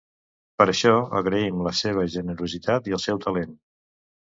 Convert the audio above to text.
Per això agraïm la seva generositat i el seu talent.